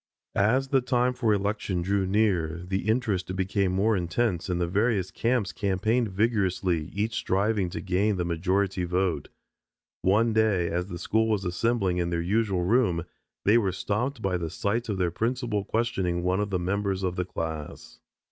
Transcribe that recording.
As the time for election drew near, the interest became more intense and the various camps campaigned vigorously, each striving to gain the majority vote. One day as the school was assembling in their usual room they were stopped by the sight of their principal questioning one of the members of the class.